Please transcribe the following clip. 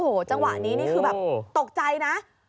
โอ้โหจังหวะนี้นี่คือแบบตกใจนะ